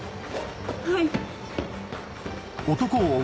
はい。